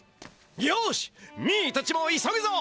よしミーたちも急ぐぞ！